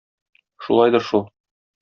Шулайдыр шул.